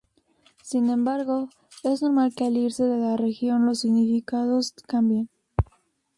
Sin embargo, es normal que al irse de la región los significados cambien.